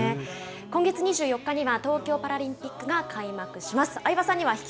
今月２４日には東京パラリンピックが開幕します。